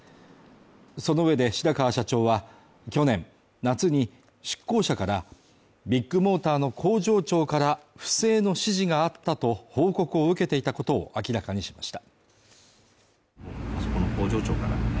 そのうえで白川社長は去年夏に出向者からビッグモーターの工場長から不正の指示があったと報告を受けていたことを明らかにしました